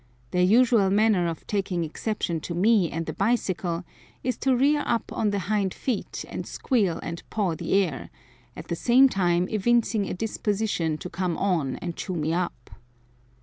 Their usual manner of taking exception to me and the bicycle is to rear up on the hind feet and squeal and paw the air, at the same time evincing a disposition to come on and chew me up.